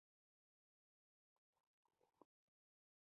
د کال د نومبر په دوهمه د افغان قبایلو جرګې د بغاوت پرېکړه وکړه.